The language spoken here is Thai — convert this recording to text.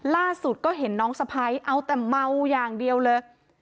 ล่าสุดก็เห็นน้องสะพ้ายเอาแต่เมาอย่างเดียวเลย